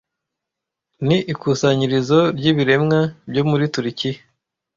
ni ikusanyirizo ry'ibiremwa byo muri Turukiya